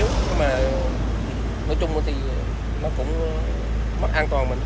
nhưng mà nói chung thì nó cũng mất an toàn mình